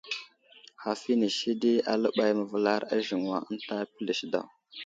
Haf inisi di aləɓay məvəlar a aziŋwa ənta pəlis daw.